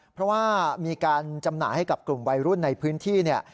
เพราะว่ามีการจำหน่ายให้กับกลุ่มวัยรุ่นในพื้นที่เนี่ย